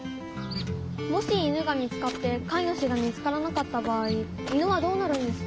もし犬が見つかってかいぬしが見つからなかった場合犬はどうなるんですか？